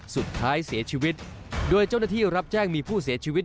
สุดท้ายเสียชีวิตโดยเจ้าหน้าที่รับแจ้งมีผู้เสียชีวิต